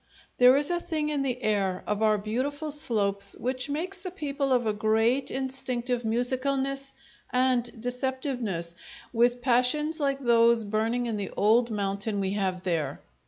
There is a thing in the air of our beautiful slopes which makes the people of a great instinctive musicalness and deceptiveness, with passions like those burning in the old mountain we have there.